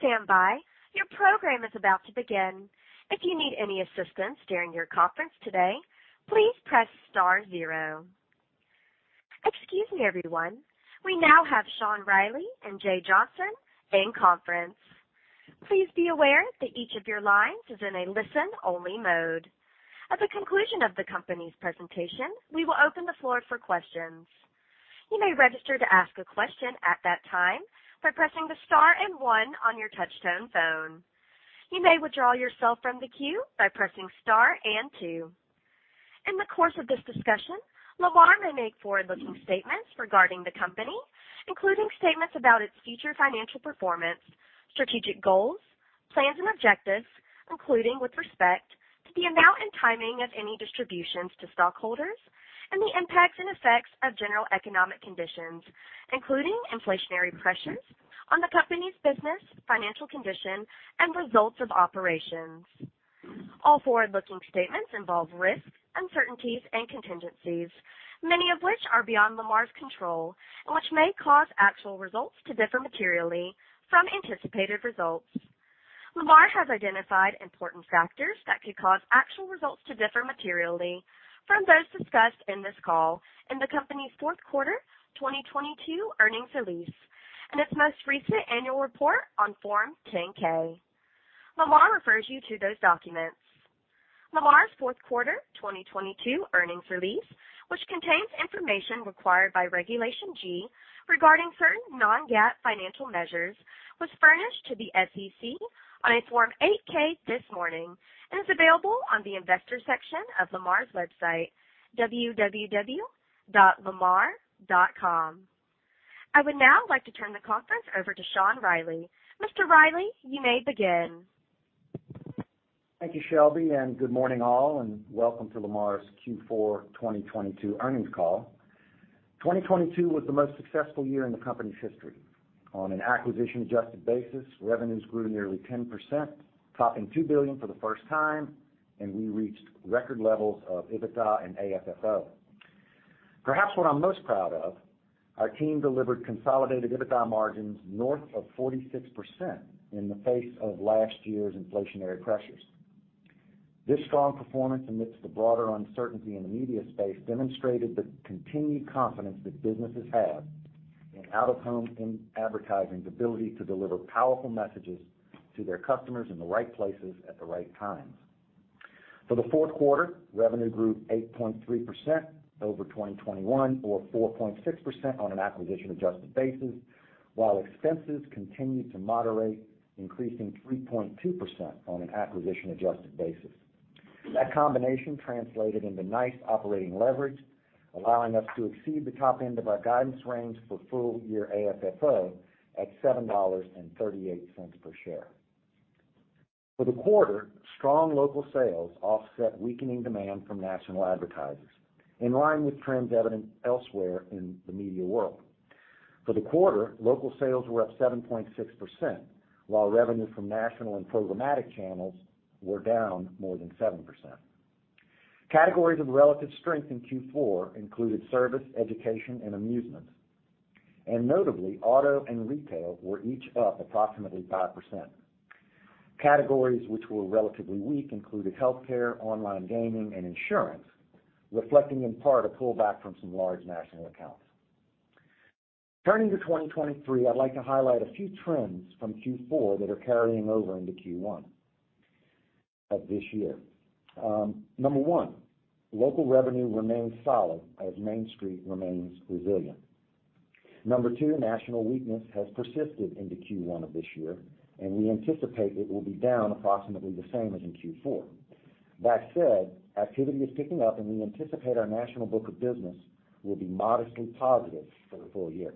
Please stand by. Your program is about to begin. If you need any assistance during your conference today, please press star zero. Excuse me, everyone. We now have Sean Reilly and Jay Johnson in conference. Please be aware that each of your lines is in a listen-only mode. At the conclusion of the company's presentation, we will open the floor for questions. You may register to ask a question at that time by pressing the star and one on your touchtone phone. You may withdraw yourself from the queue by pressing star and two. In the course of this discussion, Lamar may make forward-looking statements regarding the company, including statements about its future financial performance, strategic goals, plans, and objectives, including with respect to the amount and timing of any distributions to stockholders and the impacts and effects of general economic conditions, including inflationary pressures on the company's business, financial condition, and results of operations. All forward-looking statements involve risks, uncertainties, and contingencies, many of which are beyond Lamar's control and which may cause actual results to differ materially from anticipated results. Lamar has identified important factors that could cause actual results to differ materially from those discussed in this call in the company's fourth quarter 2022 earnings release and its most recent annual report on Form 10-K. Lamar refers you to those documents. Lamar's fourth quarter 2022 earnings release, which contains information required by Regulation G regarding certain non-GAAP financial measures, was furnished to the SEC on its Form 8-K this morning and is available on the investor section of Lamar's website, www.lamar.com. I would now like to turn the conference over to Sean Reilly. Mr. Reilly, you may begin. Thank you, Shelby, good morning, all, welcome to Lamar's Q4 2022 Earnings Call. 2022 was the most successful year in the company's history. On an acquisition-adjusted basis, revenues grew nearly 10%, topping $2 billion for the first time, we reached record levels of EBITDA and AFFO. Perhaps what I'm most proud of, our team delivered consolidated EBITDA margins north of 46% in the face of last year's inflationary pressures. This strong performance amidst the broader uncertainty in the media space demonstrated the continued confidence that businesses have in out-of-home and advertising's ability to deliver powerful messages to their customers in the right places at the right times. For the fourth quarter, revenue grew 8.3% over 2021 or 4.6% on an acquisition-adjusted basis, while expenses continued to moderate, increasing 3.2% on an acquisition-adjusted basis. That combination translated into nice operating leverage, allowing us to exceed the top end of our guidance range for full year AFFO at $7.38 per share. For the quarter, strong local sales offset weakening demand from national advertisers in line with trends evident elsewhere in the media world. For the quarter, local sales were up 7.6%, while revenue from national and programmatic channels were down more than 7%. Categories of relative strength in Q4 included service, education, and amusement. Notably, auto and retail were each up approximately 5%. Categories which were relatively weak included healthcare, online gaming, and insurance, reflecting in part a pullback from some large national accounts. Turning to 2023, I'd like to highlight a few trends from Q4 that are carrying over into Q1 of this year. Number one, local revenue remains solid as Main Street remains resilient. Number two, national weakness has persisted into Q1 of this year, and we anticipate it will be down approximately the same as in Q4. That said, activity is picking up, and we anticipate our national book of business will be modestly positive for the full year.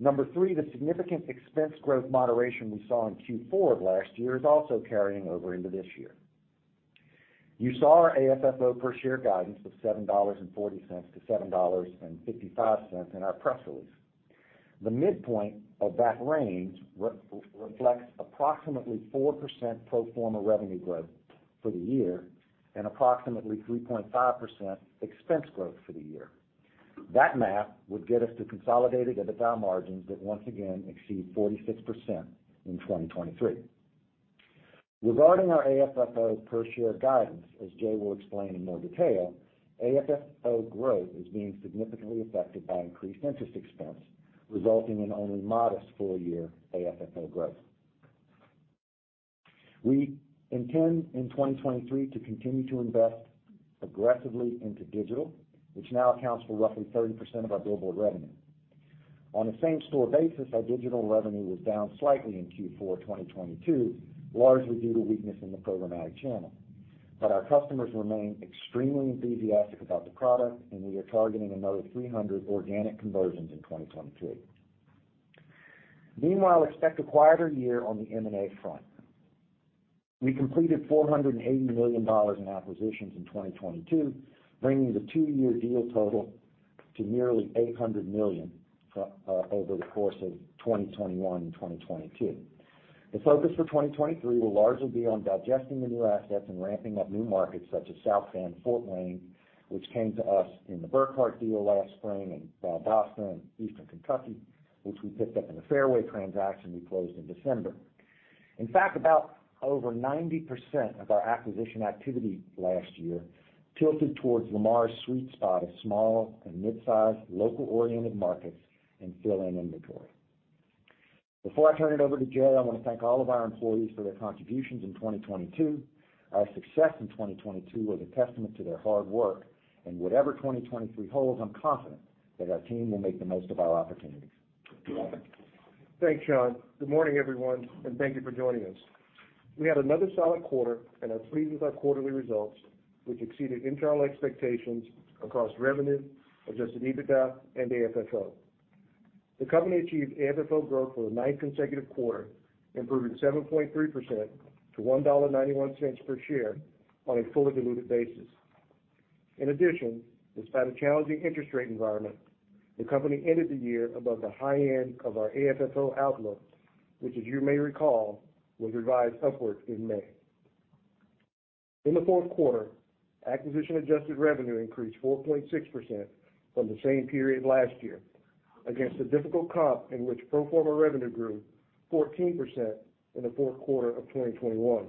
Number three, the significant expense growth moderation we saw in Q4 of last year is also carrying over into this year. You saw our AFFO per share guidance of $7.40-$7.55 in our press release. The midpoint of that range re-reflects approximately 4% pro forma revenue growth for the year and approximately 3.5% expense growth for the year. That math would get us to consolidated EBITDA margins that once again exceed 46% in 2023. Regarding our AFFO per share guidance, as Jay will explain in more detail, AFFO growth is being significantly affected by increased interest expense, resulting in only modest full-year AFFO growth. We intend in 2023 to continue to invest aggressively into digital, which now accounts for roughly 30% of our billboard revenue. On a same-store basis, our digital revenue was down slightly in Q4 of 2022, largely due to weakness in the programmatic channel. Our customers remain extremely enthusiastic about the product, and we are targeting another 300 organic conversions in 2023. Meanwhile, expect a quieter year on the M&A front. We completed $480 million in acquisitions in 2022, bringing the two-year deal total to nearly $800 million over the course of 2021 and 2022. The focus for 2023 will largely be on digesting the new assets and ramping up new markets such as South Bend, Fort Wayne, which came to us in the Burkhart deal last spring, and Valdosta and Eastern Kentucky, which we picked up in the Fairway transaction we closed in December. In fact, about over 90% of our acquisition activity last year tilted towards Lamar's sweet spot of small and mid-sized, local-oriented markets and fill-in inventory. Before I turn it over to Jay, I wanna thank all of our employees for their contributions in 2022. Our success in 2022 was a testament to their hard work. Whatever 2023 holds, I'm confident that our team will make the most of our opportunities. Jay. Thanks, Sean. Good morning, everyone, and thank you for joining us. We had another solid quarter and are pleased with our quarterly results, which exceeded internal expectations across revenue, adjusted EBITDA, and AFFO. The company achieved AFFO growth for the ninth consecutive quarter, improving 7.3% to $1.91 per share on a fully diluted basis. In addition, despite a challenging interest rate environment, the company ended the year above the high end of our AFFO outlook, which, as you may recall, was revised upwards in May. In the fourth quarter, acquisition-adjusted revenue increased 4.6% from the same period last year against a difficult comp in which pro forma revenue grew 14% in the fourth quarter of 2021.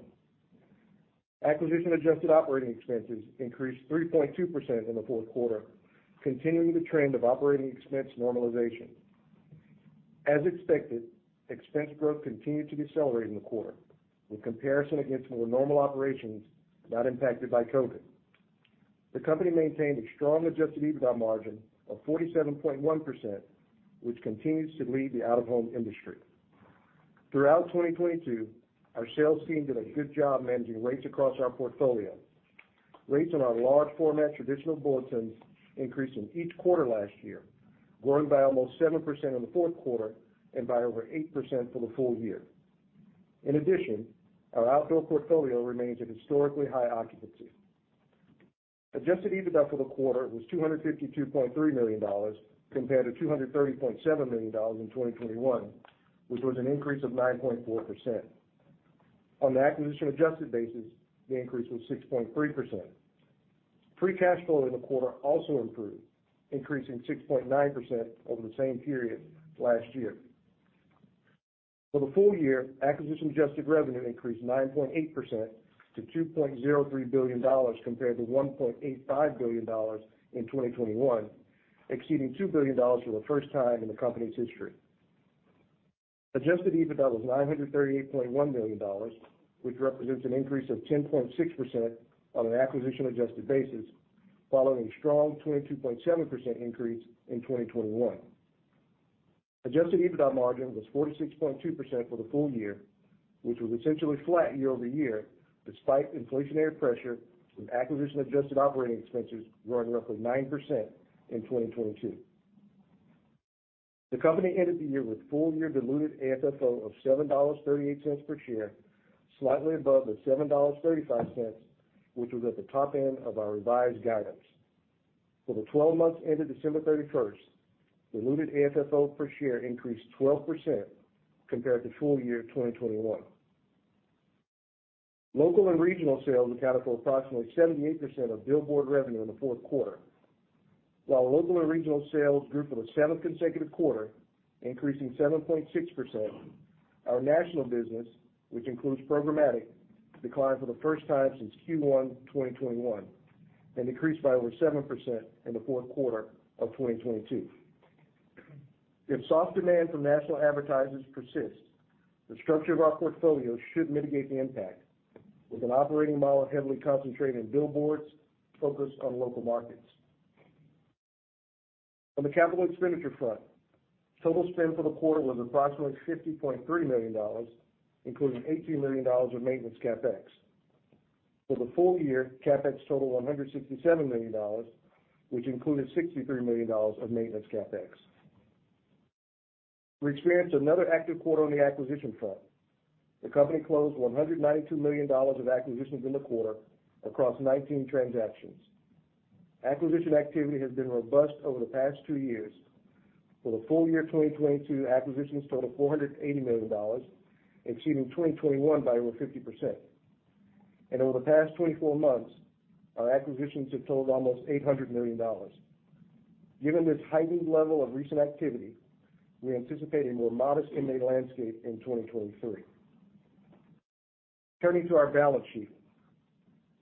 Acquisition-adjusted operating expenses increased 3.2% in the fourth quarter, continuing the trend of operating expense normalization. As expected, expense growth continued to decelerate in the quarter with comparison against more normal operations not impacted by COVID. The company maintained a strong adjusted EBITDA margin of 47.1%, which continues to lead the out-of-home industry. Throughout 2022, our sales team did a good job managing rates across our portfolio. Rates on our large format traditional bulletins increased in each quarter last year, growing by almost 7% in the fourth quarter and by over 8% for the full year. In addition, our outdoor portfolio remains at historically high occupancy. Adjusted EBITDA for the quarter was $252.3 million compared to $230.7 million in 2021, which was an increase of 9.4%. On an acquisition-adjusted basis, the increase was 6.3%. Free cash flow in the quarter also improved, increasing 6.9% over the same period last year. For the full year, acquisition-adjusted revenue increased 9.8% to $2.03 billion compared to $1.85 billion in 2021, exceeding $2 billion for the first time in the company's history. Adjusted EBITDA was $938.1 million, which represents an increase of 10.6% on an acquisition-adjusted basis following a strong 22.7% increase in 2021. Adjusted EBITDA margin was 46.2% for the full year, which was essentially flat year-over-year despite inflationary pressure and acquisition-adjusted operating expenses growing roughly 9% in 2022. The company ended the year with full-year diluted AFFO of $7.38 per share, slightly above the $7.35, which was at the top end of our revised guidance. For the 12 months ended December 31st, diluted AFFO per share increased 12% compared to full year 2021. Local and regional sales accounted for approximately 78% of billboard revenue in the fourth quarter. While local and regional sales grew for the seventh consecutive quarter, increasing 7.6%, our national business, which includes programmatic, declined for the first time since Q1 2021 and decreased by over 7% in the fourth quarter of 2022. If soft demand from national advertisers persists, the structure of our portfolio should mitigate the impact with an operating model heavily concentrated in billboards focused on local markets. On the capital expenditure front, total spend for the quarter was approximately $50.3 million, including $18 million of maintenance CapEx. For the full year, CapEx totaled $167 million, which included $63 million of maintenance CapEx. We experienced another active quarter on the acquisition front. The company closed $192 million of acquisitions in the quarter across 19 transactions. Acquisition activity has been robust over the past two years. For the full year 2022, acquisitions totaled $480 million, exceeding 2021 by over 50%. Over the past 24 months, our acquisitions have totaled almost $800 million. Given this heightened level of recent activity, we anticipate a more modest M&A landscape in 2023. Turning to our balance sheet.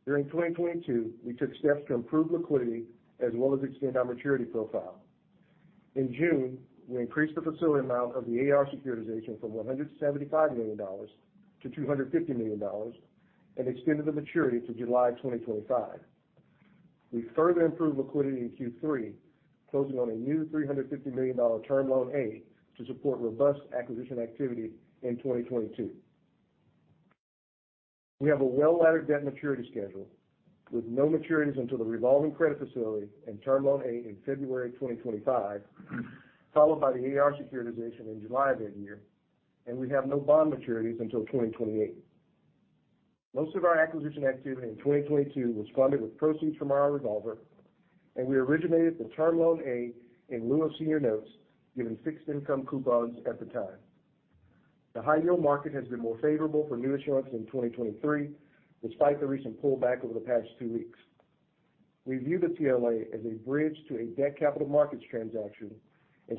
During 2022, we took steps to improve liquidity as well as extend our maturity profile. In June, we increased the facility amount of the AR securitization from $175 million to $250 million and extended the maturity to July 2025. We further improved liquidity in Q3, closing on a new $350 million Term Loan A to support robust acquisition activity in 2022. We have a well-laddered debt maturity schedule with no maturities until the revolving credit facility and Term Loan A in February 2025, followed by the AR securitization in July of that year, and we have no bond maturities until 2028. Most of our acquisition activity in 2022 was funded with proceeds from our revolver. We originated the Term Loan A in lieu of senior notes given fixed income coupons at the time. The high yield market has been more favorable for new issuance in 2023, despite the recent pullback over the past two weeks. We view the TLA as a bridge to a debt capital markets transaction.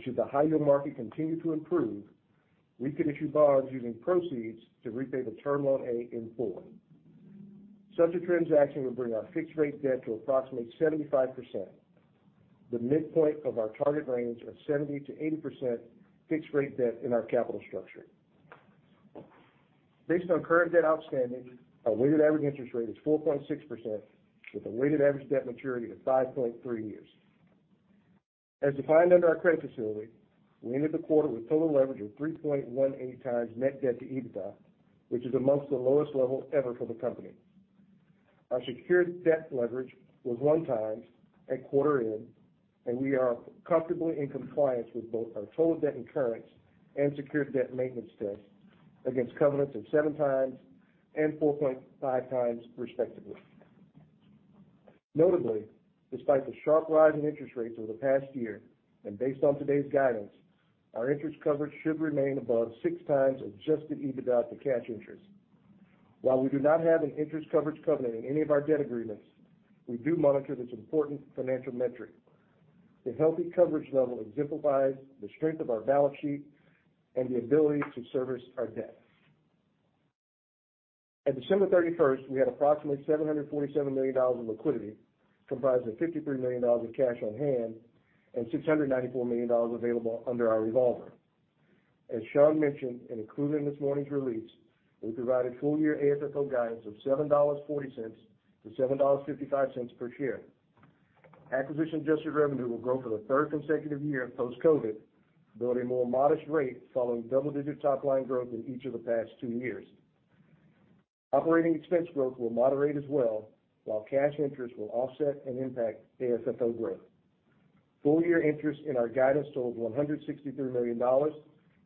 Should the high yield market continue to improve, we can issue bonds using proceeds to repay the Term Loan A in full. Such a transaction would bring our fixed rate debt to approximately 75%, the midpoint of our target range of 70%-80% fixed rate debt in our capital structure. Based on current debt outstanding, our weighted average interest rate is 4.6% with a weighted average debt maturity of 5.3 years. As defined under our credit facility, we ended the quarter with total leverage of 3.18x net debt to EBITDA, which is amongst the lowest level ever for the company. Our secured debt leverage was 1x at quarter end, and we are comfortably in compliance with both our total debt incurrence and secured debt maintenance test against covenants of 7x and 4.5x, respectively. Notably, despite the sharp rise in interest rates over the past year, based on today's guidance, our interest coverage should remain above 6x adjusted EBITDA to cash interest. While we do not have an interest coverage covenant in any of our debt agreements, we do monitor this important financial metric. The healthy coverage level exemplifies the strength of our balance sheet and the ability to service our debt. At December 31st, we had approximately $747 million in liquidity, comprised of $53 million in cash on hand and $694 million available under our revolver. As Sean mentioned, included in this morning's release, we provided full year AFFO guidance of $7.40-$7.55 per share. Acquisition-adjusted revenue will grow for the third consecutive year post-COVID, though at a more modest rate following double-digit top line growth in each of the past two years. Operating expense growth will moderate as well, while cash interest will offset and impact AFFO growth. Full year interest in our guidance totals $163 million,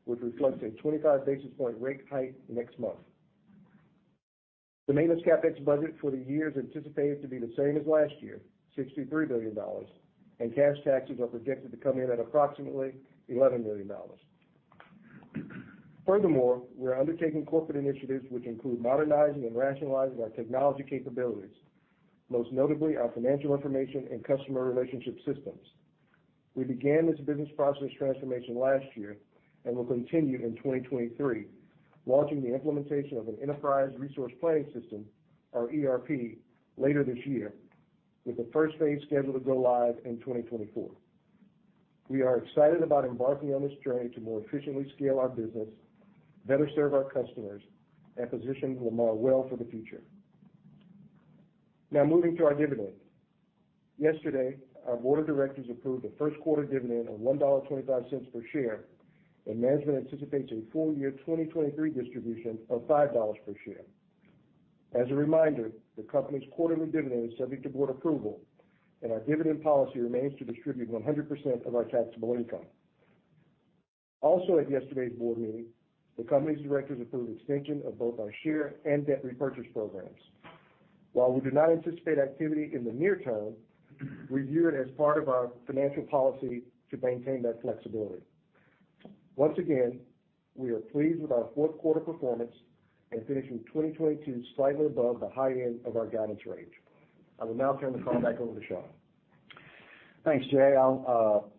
which reflects a 25 basis point rate hike next month. The maintenance CapEx budget for the year is anticipated to be the same as last year, $63 million, and cash taxes are projected to come in at approximately $11 million. Furthermore, we are undertaking corporate initiatives which include modernizing and rationalizing our technology capabilities, most notably our financial information and customer relationship systems. We began this business process transformation last year and will continue in 2023, launching the implementation of an enterprise resource planning system, or ERP, later this year, with the first phase scheduled to go live in 2024. We are excited about embarking on this journey to more efficiently scale our business, better serve our customers, and position Lamar well for the future. Moving to our dividend. Yesterday, our board of directors approved a first quarter dividend of $1.25 per share, and management anticipates a full year 2023 distribution of $5 per share. As a reminder, the company's quarterly dividend is subject to board approval, and our dividend policy remains to distribute 100% of our taxable income. At yesterday's board meeting, the company's directors approved extension of both our share and debt repurchase programs. While we do not anticipate activity in the near term, we view it as part of our financial policy to maintain that flexibility. Once again, we are pleased with our fourth quarter performance and finishing 2022 slightly above the high end of our guidance range. I will now turn the call back over to Sean. Thanks, Jay. I'll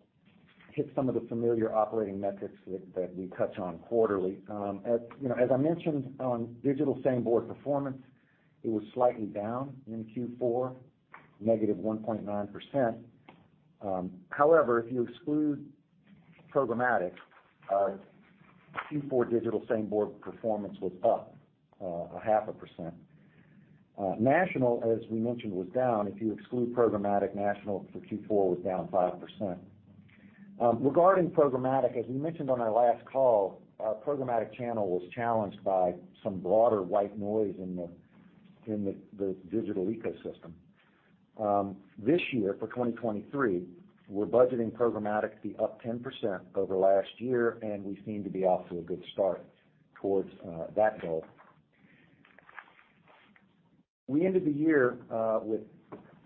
hit some of the familiar operating metrics that we touch on quarterly. As, you know, as I mentioned on digital same board performance, it was slightly down in Q4, -1.9%. However, if you exclude programmatic, Q4 digital same board performance was up 0.5%. National, as we mentioned, was down. If you exclude programmatic, national for Q4 was down 5%. Regarding programmatic, as we mentioned on our last call, our programmatic channel was challenged by some broader white noise in the digital ecosystem. This year for 2023, we're budgeting programmatic to be up 10% over last year, and we seem to be off to a good start towards that goal. We ended the year with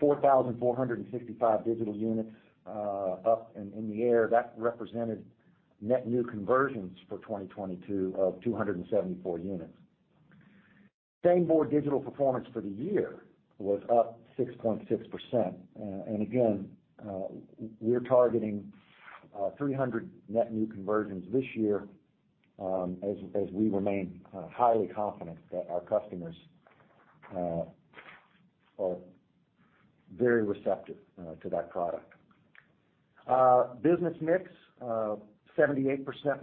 4,455 digital units up in the air. That represented net new conversions for 2022 of 274 units. Same board digital performance for the year was up 6.6%. Again, we're targeting 300 net new conversions this year, as we remain highly confident that our customers are very receptive to that product. Business mix, 78%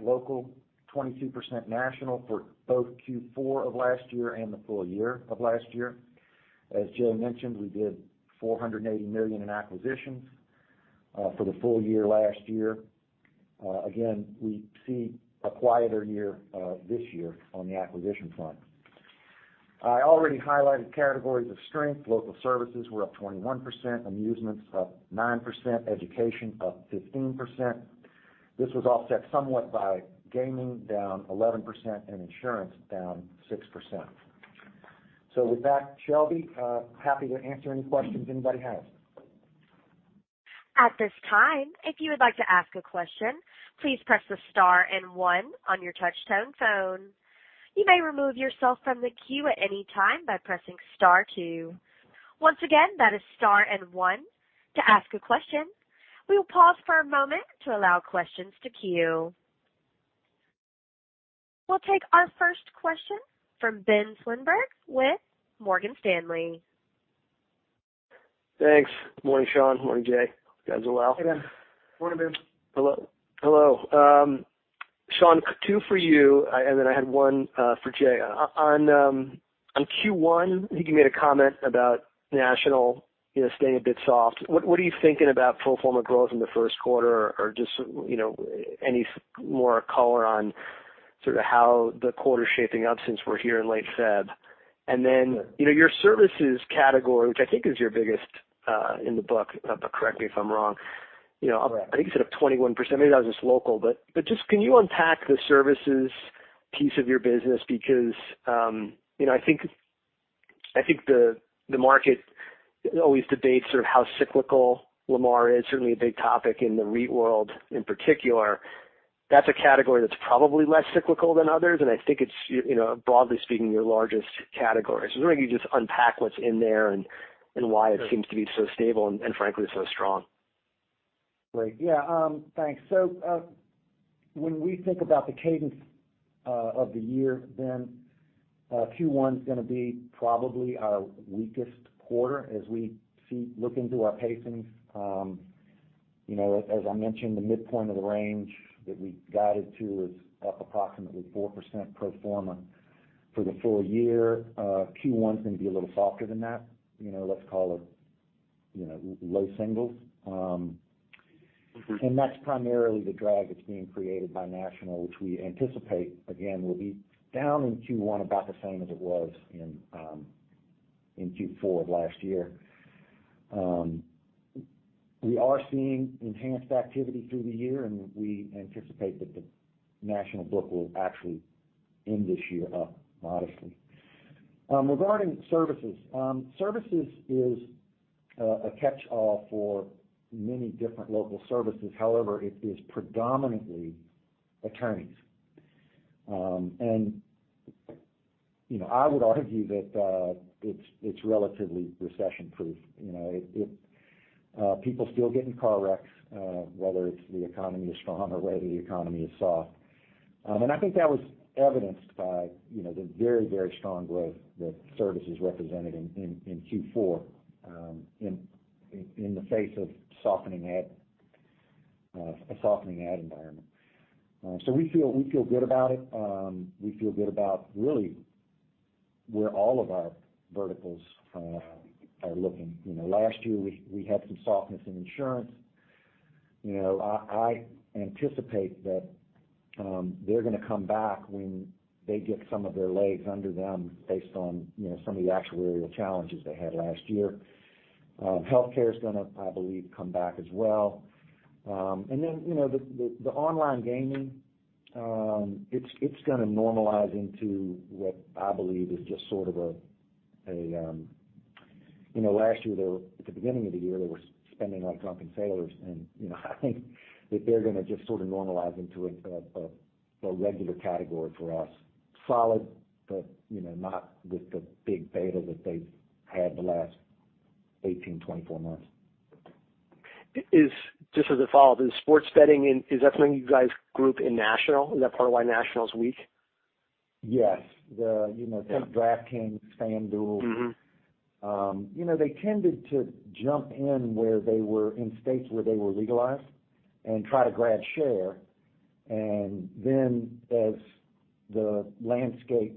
local, 22% national for both Q4 of last year and the full year of last year. As Jay mentioned, we did $480 million in acquisitions for the full year last year. Again, we see a quieter year this year on the acquisition front. I already highlighted categories of strength. Local services were up 21%. Amusements up 9%. Education up 15%. This was offset somewhat by gaming down 11% and insurance down 6%. With that, Shelby, happy to answer any questions anybody has. At this time, if you would like to ask a question, please press the star and one on your touchtone phone. You may remove yourself from the queue at any time by pressing star two. Once again, that is star and one to ask a question. We will pause for a moment to allow questions to queue. We'll take our first question from Ben Swinburne with Morgan Stanley. Thanks. Morning, Sean. Morning, Jay. You guys allow. Hey, Ben. Morning, Ben. Hello, hello. Sean, two for you, I had one for Jay. On Q1, you can made a comment about national, you know, staying a bit soft. What are you thinking about full form of growth in the first quarter or just, you know, any more color on sort of how the quarter is shaping up since we're here in late February? You know, your services category, which I think is your biggest in the book, but correct me if I'm wrong. You know, I think you said up 21%, maybe that was just local. Just can you unpack the services piece of your business? Because, you know, I think the market always debates sort of how cyclical Lamar is, certainly a big topic in the REIT world in particular. That's a category that's probably less cyclical than others, and I think it's, you know, broadly speaking, your largest category. I was wondering if you could just unpack what's in there and why it seems to be so stable and frankly, so strong. Great. Thanks. When we think about the cadence of the year, Q1 is going to be probably our weakest quarter as we look into our pacings. You know, as I mentioned, the midpoint of the range that we guided to is up approximately 4% pro forma for the full year. Q1 is going to be a little softer than that. You know, let's call it, you know, low singles. That's primarily the drag that's being created by national, which we anticipate, again, will be down in Q1 about the same as it was in Q4 of last year. We are seeing enhanced activity through the year, we anticipate that the national book will actually end this year up modestly. Regarding services is a catch-all for many different local services. However, it is predominantly attorneys. You know, I would argue that it's relatively recession-proof. You know, people still get in car wrecks, whether it's the economy is strong or whether the economy is soft. I think that was evidenced by, you know, the very, very strong growth that services represented in Q4, in the face of a softening ad environment. We feel good about it. We feel good about really where all of our verticals are looking. You know, last year, we had some softness in insurance. You know, I anticipate that they're gonna come back when they get some of their legs under them based on, you know, some of the actuarial challenges they had last year. Healthcare is gonna, I believe, come back as well. Then, you know, the online gaming, it's gonna normalize into what I believe is just sort of a. You know, last year, at the beginning of the year, they were spending on drunken sailors, and, you know, I think that they're gonna just sort of normalize into a regular category for us. Solid, you know, not with the big beta that they've had the last 18, 24 months. Is, just as a follow-up, is sports betting in, is that something you guys group in national? Is that part of why national is weak? Yes. You know. Yeah. Think DraftKings, FanDuel. Mm-hmm. You know, they tended to jump in where they were in states where they were legalized and try to grab share. As the landscape,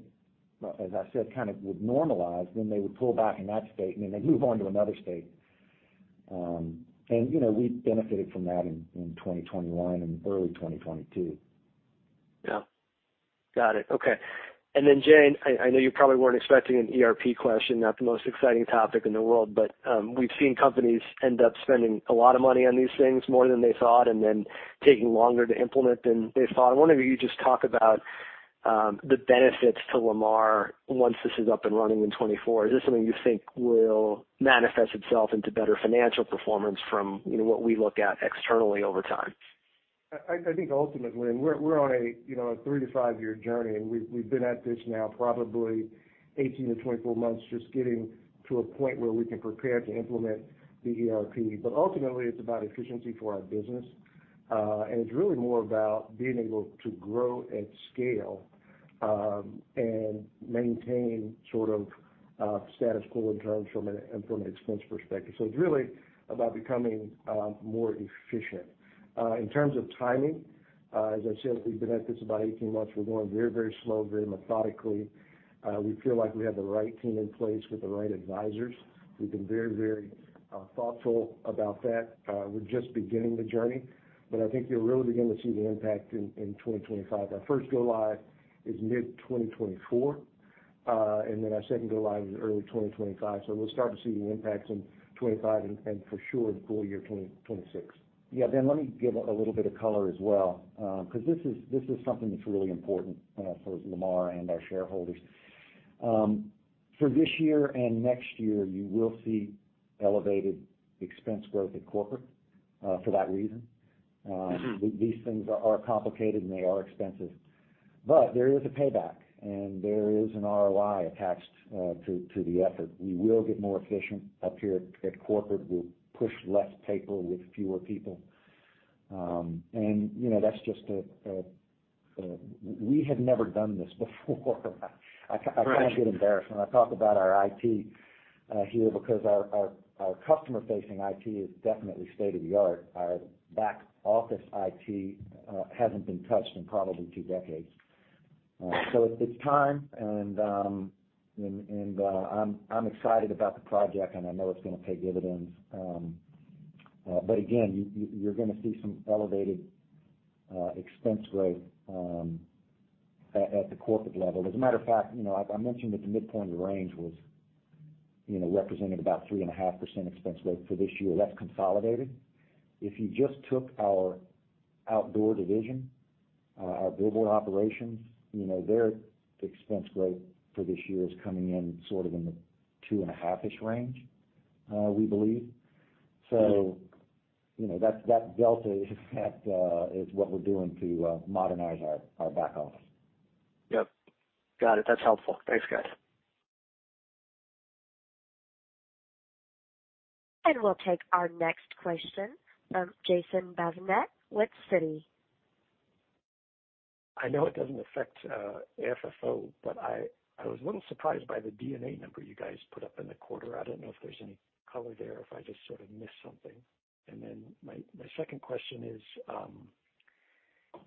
as I said, kind of would normalize, then they would pull back in that state, and then they'd move on to another state. You know, we benefited from that in 2021 and early 2022. Yeah. Got it. Okay. Jay, I know you probably weren't expecting an ERP question, not the most exciting topic in the world, but we've seen companies end up spending a lot of money on these things, more than they thought, and then taking longer to implement than they thought. I wonder if you could just talk about the benefits to Lamar once this is up and running in 2024. Is this something you think will manifest itself into better financial performance from, you know, what we look at externally over time? I think ultimately, and we're on a, you know, a three to five year journey, and we've been at this now probably 18 to 24 months just getting to a point where we can prepare to implement the ERP. Ultimately, it's about efficiency for our business. It's really more about being able to grow at scale, and maintain sort of status quo in terms from an expense perspective. It's really about becoming more efficient. In terms of timing, as I said, we've been at this about 18 months. We're going very, very slow, very methodically. We feel like we have the right team in place with the right advisors. We've been very, very thoughtful about that. We're just beginning the journey, but I think you'll really begin to see the impact in 2025. Our first go-live is mid-2024. And then our second go live is early 2025. We'll start to see the impacts in 2025 and for sure in full year 2026. Ben, let me give a little bit of color as well, 'cause this is, this is something that's really important for Lamar and our shareholders. For this year and next year, you will see elevated expense growth at corporate for that reason. Mm-hmm. These things are complicated, and they are expensive. There is a payback, and there is an ROI attached to the effort. We will get more efficient up here at corporate. We'll push less paper with fewer people. You know, that's just we had never done this before. Right. I kind of get embarrassed when I talk about our IT here because our customer-facing IT is definitely state-of-the-art. Our back-office IT hasn't been touched in probably two decades. It's time, and I'm excited about the project, and I know it's gonna pay dividends. Again, you're gonna see some elevated expense rate at the corporate level. As a matter of fact, you know, I mentioned that the midpoint of the range was, you know, represented about 3.5% expense rate for this year. That's consolidated. If you just took our outdoor division, our billboard operations, you know, their expense rate for this year is coming in sort of in the 2.5-ish range, we believe. You know, that delta is that is what we're doing to modernize our back office. Yep. Got it. That's helpful. Thanks, guys. We'll take our next question from Jason Bazinet with Citi. I know it doesn't affect FFO, but I was a little surprised by the D&A number you guys put up in the quarter. I don't know if there's any color there, if I just sort of missed something. My second question is,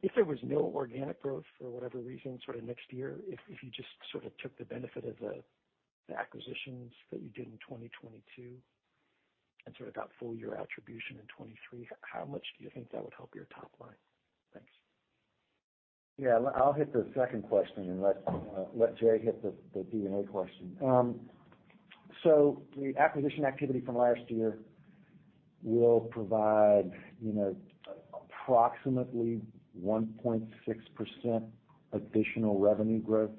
if there was no organic growth for whatever reason sort of next year, if you just sort of took the benefit of the acquisitions that you did in 2022 and sort of got full year attribution in 2023, how much do you think that would help your top line? Thanks. Yeah. I'll hit the second question and let Jay hit the D&A question. The acquisition activity from last year will provide, you know, approximately 1.6% additional revenue growth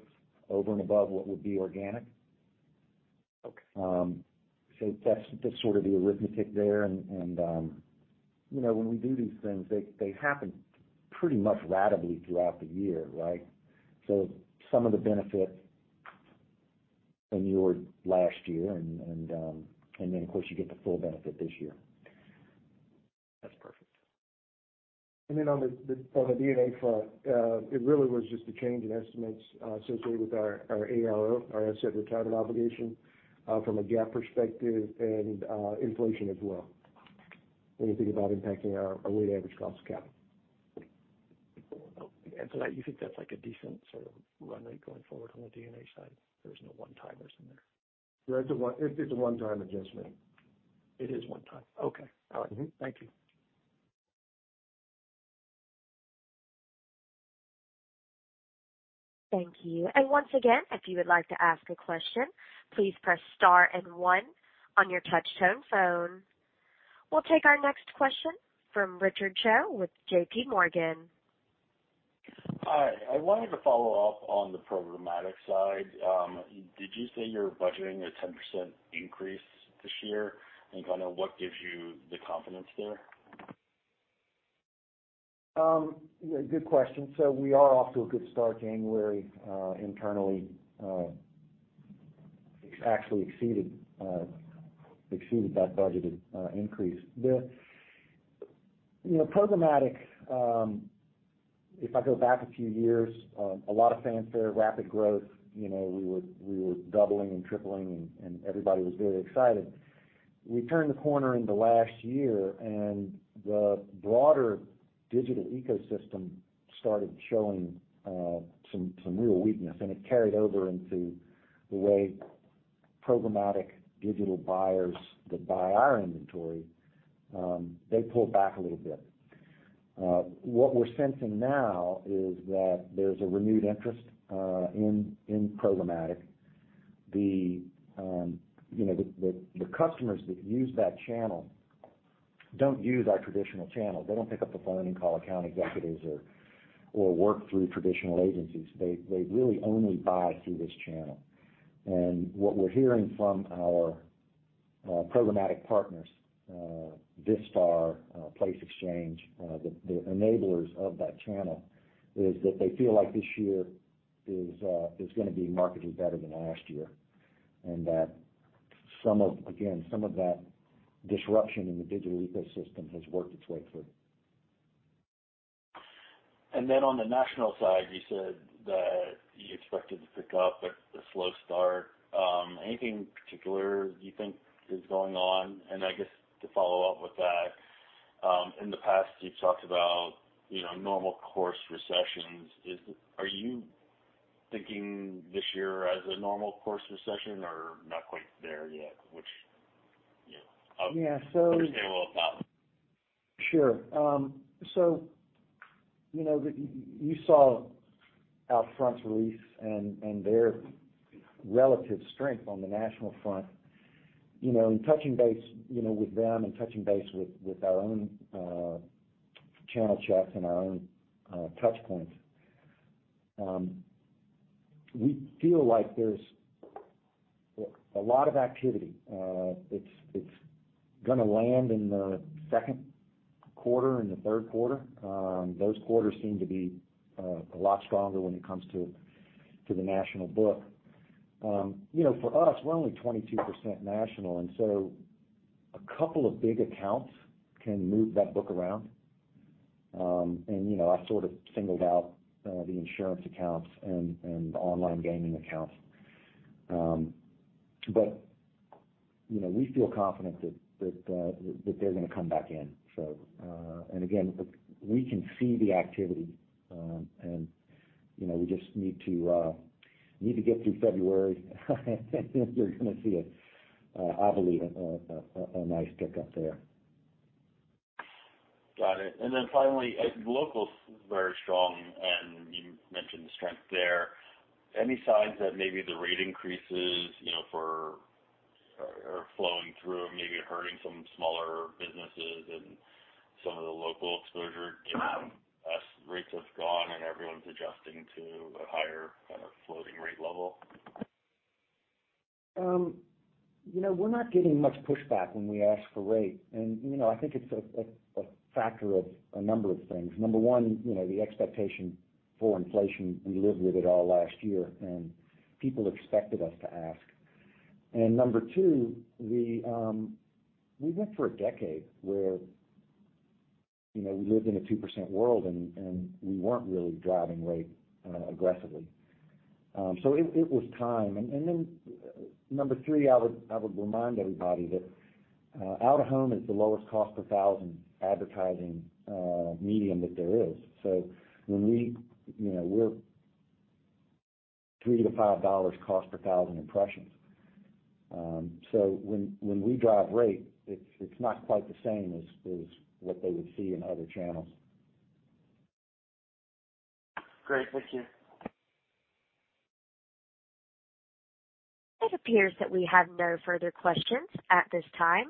over and above what would be organic. Okay. That's the sort of the arithmetic there. And, you know, when we do these things, they happen pretty much ratably throughout the year, right? Some of the benefit in your last year, and then, of course, you get the full benefit this year. That's perfect. On the, on the D&A front, it really was just a change in estimates associated with our ARO, our asset retirement obligation, from a GAAP perspective and inflation as well, when you think about impacting our weighted average cost of capital. You think that's like a decent sort of runway going forward on the D&A side? There's no one-timers in there. Right. It's a one-time adjustment. It is one time. Okay. Mm-hmm. All right. Thank you. Once again, if you would like to ask a question, please press star and one on your touch tone phone. We'll take our next question from Richard Choe with J.P. Morgan. Hi. I wanted to follow up on the programmatic side. Did you say you're budgeting a 10% increase this year, and kinda what gives you the confidence there? Good question. We are off to a good start. January, internally, actually exceeded that budgeted increase. You know, programmatic, if I go back a few years, a lot of fanfare, rapid growth, you know, we were doubling and tripling, and everybody was very excited. We turned the corner in the last year, and the broader digital ecosystem started showing some real weakness, and it carried over into the way programmatic digital buyers that buy our inventory, they pulled back a little bit. What we're sensing now is that there's a renewed interest in programmatic. You know, the customers that use that channel don't use our traditional channel. They don't pick up the phone and call account executives or work through traditional agencies. They really only buy through this channel. What we're hearing from our programmatic partners, Vistar, Place Exchange, the enablers of that channel, is that they feel like this year is gonna be markedly better than last year, and that some of that disruption in the digital ecosystem has worked its way through. Then on the national side, you said that you expected to pick up a slow start. Anything particular you think is going on? I guess to follow up with that, in the past, you've talked about, you know, normal course recessions. Are you thinking this year as a normal course recession or not quite there yet? Yeah. Understand a little about. Sure. you know, you saw our press release and their relative strength on the national front, you know, in touching base, you know, with them and touching base with our own channel checks and our own touch points. We feel like there's a lot of activity. It's gonna land in the second quarter and the third quarter. Those quarters seem to be a lot stronger when it comes to the national book. you know, for us, we're only 22% national, and so a couple of big accounts can move that book around. you know, I sort of singled out the insurance accounts and online gaming accounts. you know, we feel confident that they're gonna come back in. Again, we can see the activity. You know, we just need to get through February, and I think you're gonna see a nice pick up there. Got it. Then finally, local's very strong, and you mentioned the strength there. Any signs that maybe the rate increases, you know, are flowing through or maybe hurting some smaller businesses and some of the local exposure, given how fast rates have gone and everyone's adjusting to a higher kind of floating rate level? You know, we're not getting much pushback when we ask for rate. You know, I think it's a factor of a number of things. Number one, you know, the expectation for inflation, we lived with it all last year, and people expected us to ask. Number two, the, we went for a decade where, you know, we lived in a 2% world and we weren't really driving rate aggressively. So it was time. Then, number three, I would remind everybody that out-of-home is the lowest cost per thousand advertising medium that there is. When we, you know, we're $3-$5 cost per thousand impressions. When we drive rate, it's not quite the same as what they would see in other channels. Great. Thank you. It appears that we have no further questions at this time.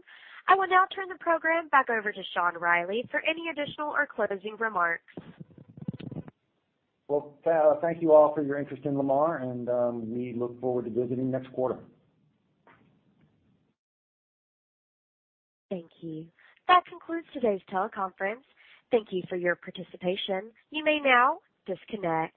I will now turn the program back over to Sean Reilly for any additional or closing remarks. Thank you all for your interest in Lamar. We look forward to visiting next quarter. Thank you. That concludes today's teleconference. Thank you for your participation. You may now disconnect.